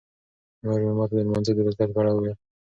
مور مې ماته د لمانځه د فضیلت په اړه وویل.